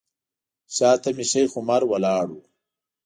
شاته مې شیخ عمر ولاړ و.